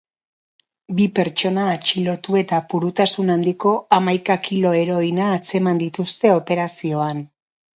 Bi pertsona atxilotu eta purutasun handiko hamahika kilo heroina atzeman dituzte operazioan.